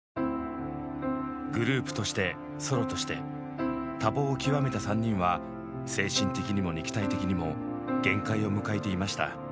グループとしてソロとして多忙を極めた３人は精神的にも肉体的にも限界を迎えていました。